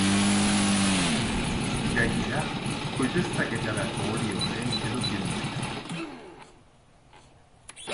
Gainera, koipeztaketarako olioaren edukiontzia da.